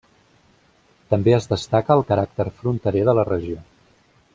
També es destaca el caràcter fronterer de la regió.